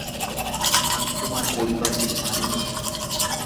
আমি তোমার পারিবারকে মারি নি।